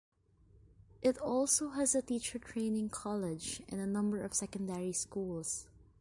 It also has a teacher training college and a number of secondary schools.